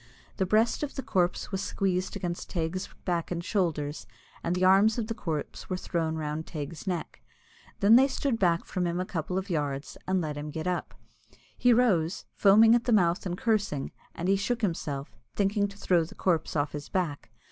The breast of the corpse was squeezed against Teig's back and shoulders, and the arms of the corpse were thrown around Teig's neck. Then they stood back from him a couple of yards, and let him get up. He rose, foaming at the mouth and cursing, and he shook himself, thinking to throw the corpse off his back.